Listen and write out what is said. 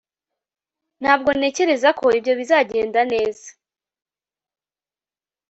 ntabwo ntekereza ko ibyo bizagenda neza